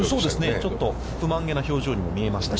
ちょっと不満げな表情に見えましたが。